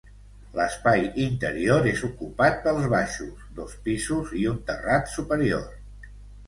L'espai interior és ocupat pels baixos, dos pisos i un terrat superior.